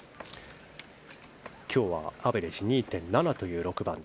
今日はアベレージ２．７という６番。